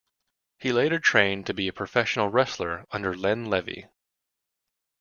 He later trained to be a professional wrestler under Len Levy.